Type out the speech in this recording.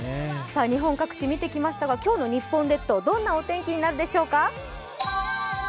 日本各地、見てきましたが今日の日本列島、どんなお天気になるでしょうか？